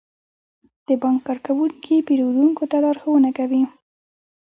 د بانک کارکونکي پیرودونکو ته لارښوونه کوي.